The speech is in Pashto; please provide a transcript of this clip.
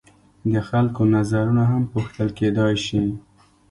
د خلکو نظرونه هم پوښتل کیدای شي.